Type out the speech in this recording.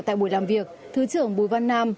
tại buổi làm việc thứ trưởng bùi văn nam